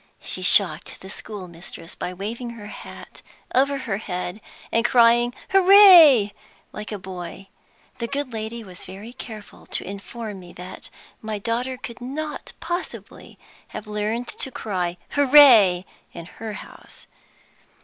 She shocked the schoolmistress by waving her hat over her head and crying 'Hooray,' like a boy. The good lady was very careful to inform me that my daughter could not possibly have learned to cry 'Hooray' in her house.